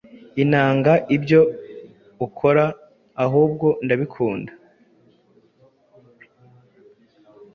inanga ibyo ukoraAhubwo ndabikunda